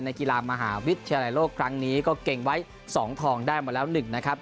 กีฬามหาวิทยาลัยโลกครั้งนี้ก็เก่งไว้๒ทองได้มาแล้ว๑นะครับ